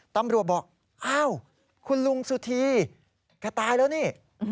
ตำรวจบอกอ้าวคุณลุงสุธีแกตายแล้วนี่